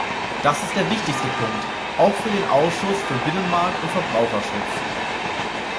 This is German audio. Das ist der wichtigste Punkt, auch für den Ausschuss für Binnenmarkt und Verbraucherschutz.